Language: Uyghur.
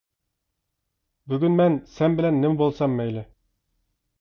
بۈگۈن مەن سەن بىلەن نېمە بولسام مەيلى.